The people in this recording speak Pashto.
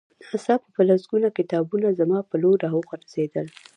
ناڅاپه په لسګونه کتابونه زما په لور را وغورځېدل